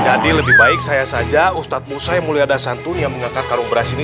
jadi lebih baik saya saja ustadz musa yang mulia dasantun yang mengangkat karung beras ini